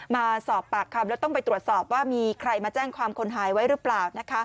มาสอบปากคำแล้วต้องไปตรวจสอบว่ามีใครมาแจ้งความคนหายไว้หรือเปล่า